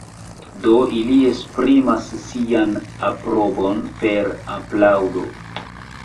Do ili esprimas sian aprobon per aplaŭdo.